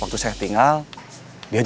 untuk membangun diri